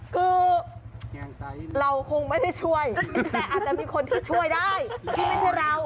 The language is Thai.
คือเราคงไม่ได้ช่วยแต่อาจจะมีคนที่ช่วยได้ที่ไม่ใช่เรา